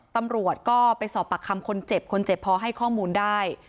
ตำรวจก็ไปสอบปากคำคนเจ็บคนเจ็บพอให้ข้อมูลได้